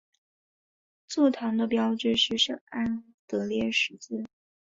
座堂的标志是圣安德烈十字。